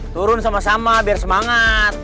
turun sama sama biar semangat